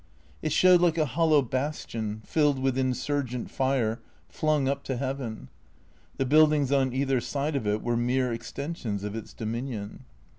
It showed like a hollow bastion, filled with insurgent fire, flung up to heaven. Tlie buildings on either side of it were mere ex tensions of its dominion.